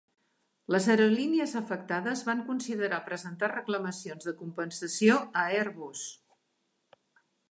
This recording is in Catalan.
Les aerolínies afectades van considerar presentar reclamacions de compensació a Airbus.